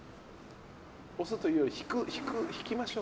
押すというより引きましょう。